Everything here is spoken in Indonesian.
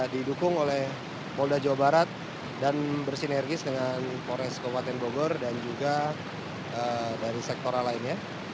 didukung oleh polda jawa barat dan bersinergis dengan pores kabupaten bogor dan juga dari sektora lainnya